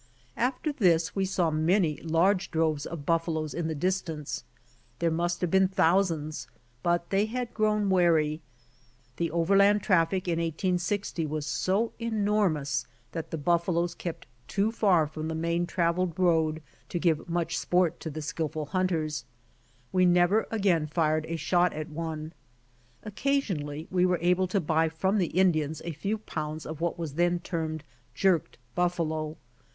After this we saw many large droves of buffaloes in the distance. There must have been thousands, but they had grown wary. The over land traffic in 1860 was so enormous that the buft'aloes kept too far from the main traveled road to give much sport to the skillful hunters. We never again fired a shot at one. Occasionally we were able to buy from the Indians a few pounds of what was then termed "jerked buffalo."